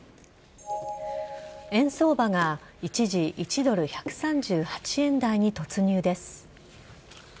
円相場が一時１ドル１３８円台に突入です。